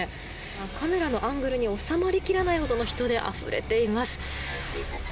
カメラのアングルに収まり切らないほどの人であふれています。